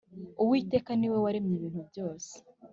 Uwiteka niwe waremye ibintu byose